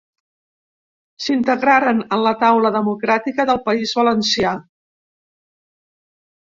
S'integraren en la Taula Democràtica del País Valencià.